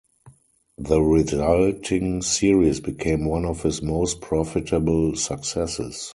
The resulting series became one of his most profitable successes.